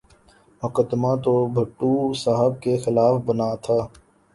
مقدمہ تو بھٹو صاحب کے خلاف بنا تھا۔